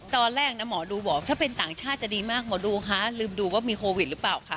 ตอนแรกนะหมอดูบอกถ้าเป็นต่างชาติจะดีมากหมอดูคะลืมดูว่ามีโควิดหรือเปล่าคะ